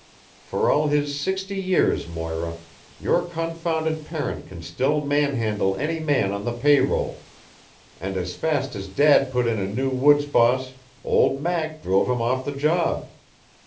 For all his sixty years, Moira, your confounded parent can still manhandle any man on the pay roll, and as fast as Dad put in a new woods boss old Mac drove him off the job.